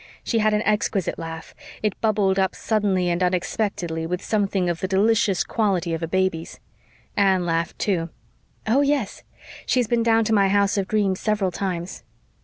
She had an exquisite laugh; it bubbled up suddenly and unexpectedly with something of the delicious quality of a baby's. Anne laughed, too. "Oh, yes. She has been down to my house of dreams several times."